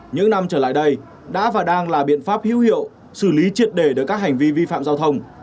những năm trở lại đây đã và đang là biện pháp hữu hiệu xử lý triệt đề được các hành vi vi phạm giao thông